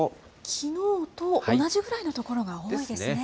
きのうと同じぐらいの所が多いですね。